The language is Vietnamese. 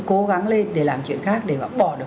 cố gắng lên để làm chuyện khác để bác bỏ được